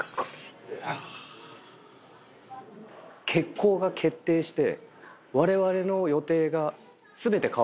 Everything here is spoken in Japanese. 欠航が決定して。